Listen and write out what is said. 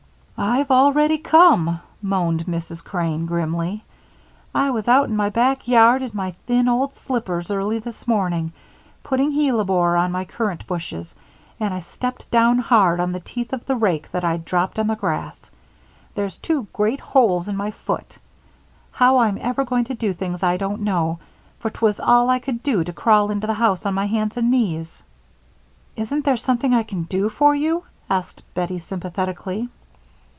"I've already come," moaned Mrs. Crane, grimly. "I was out in my back yard in my thin old slippers early this morning putting hellebore on my currant bushes, and I stepped down hard on the teeth of the rake that I'd dropped on the grass. There's two great holes in my foot. How I'm ever going to do things I don't know, for 'twas all I could do to crawl into the house on my hands and knees." "Isn't there something I can do for you?" asked Bettie, sympathetically.